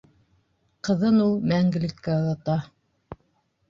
Ҡыҙын ул мәңгелеккә оҙата.